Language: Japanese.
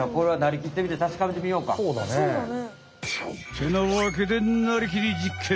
てなわけで「なりきり！実験！」。